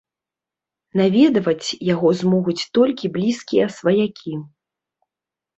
Наведваць яго змогуць толькі блізкія сваякі.